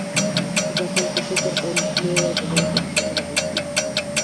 د خلکو فکر او لیدلوریو ته باید احترام وشي.